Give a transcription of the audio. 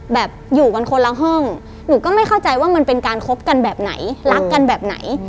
แบบอยู่กันคนละห้องหนูก็ไม่เข้าใจว่ามันเป็นการคบกันแบบไหนรักกันแบบไหน